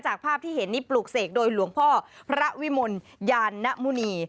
ภาพที่เห็นนี่ปลูกเสกโดยหลวงพ่อพระวิมลยานนมุณี